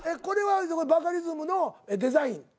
これはバカリズムのデザイン？